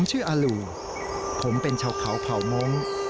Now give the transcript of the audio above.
ผมชื่ออาหลุผมเป็นชาวเขาเผ่ามง